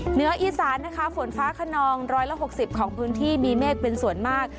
เหนืออีสานนะคะฝนฟ้าขนอง๑๖๐ของพื้นที่มีเมฆเป็นส่วนมาก